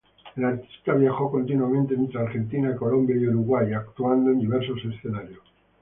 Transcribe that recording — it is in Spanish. El artista viajó continuamente entre Argentina, Colombia y Uruguay, actuando en diversos escenarios.